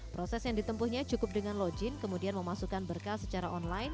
proses yang ditempuhnya cukup dengan login kemudian memasukkan berkas secara online